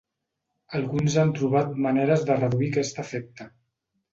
Alguns han trobat maneres de reduir aquest efecte.